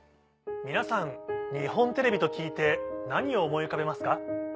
皆さん日本テレビと聞いて何を思い浮かべますか？